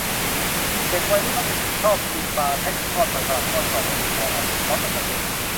เด็กวัยรุ่นมักจะชื่นชอบกินปลาแท่งทอด มันฝรั่งทอดกรอบ และถั่วอบในซอสมะเขือเทศ